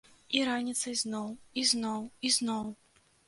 І раніцай зноў, і зноў, і зноў.